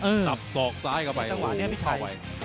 อืมจับสอกซ้ายกลับไปในจังหวะเนี้ยพี่ชัย